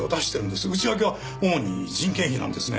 内訳は主に人件費なんですね。